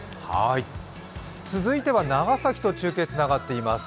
続いては長崎と中継がつながっています。